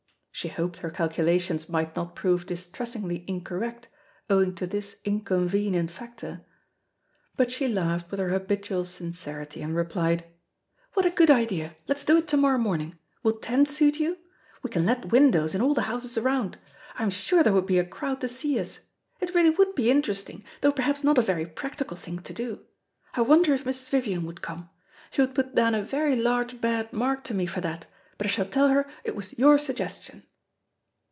She hoped her calculations might not prove distressingly incorrect owing to this inconvenient factor. But she laughed with her habitual sincerity, and replied, "What a good idea; let's do it to morrow morning. Will ten suit you? We can let windows in all the houses round. I'm sure there would be a crowd to see us. It really would be interesting, though perhaps not a very practical thing to do. I wonder if Mrs. Vivian would come. She would put down a very large bad mark to me for that, but I shall tell her it was your suggestion."